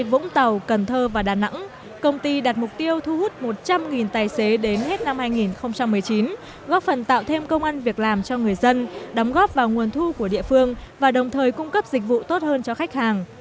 vũng tàu cần thơ và đà nẵng công ty đặt mục tiêu thu hút một trăm linh tài xế đến hết năm hai nghìn một mươi chín góp phần tạo thêm công an việc làm cho người dân đóng góp vào nguồn thu của địa phương và đồng thời cung cấp dịch vụ tốt hơn cho khách hàng